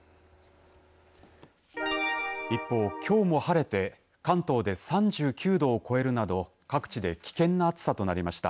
一方、きょうも晴れて関東で３９度を超えるなど各地で危険な暑さとなりました。